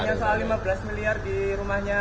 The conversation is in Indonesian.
hanya soal lima belas miliar di rumahnya